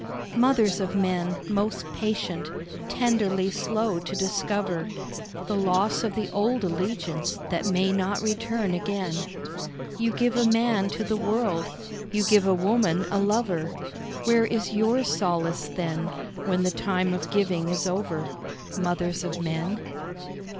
Mothers of Men, most patient, tenderly slow to discover The loss of the old allegiance that may not return again. You give a man to the world, you give a woman a lover Where is your solace then when the time of giving is over, Mothers of Men?